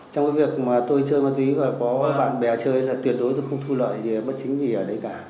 trong cái việc mà tôi chơi ma túy và có bạn bè chơi là tuyệt đối tôi không thu lợi bất chính gì ở đấy cả